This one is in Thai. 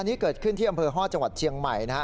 นี่เกิดขึ้นที่อำเภอฮอจังหวัดเชียงใหม่นะฮะ